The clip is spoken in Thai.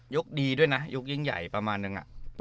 คดีด้วยนะยุคยิ่งใหญ่ประมาณนึง